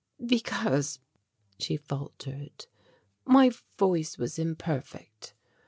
"Because," she faltered, "my voice was imperfect.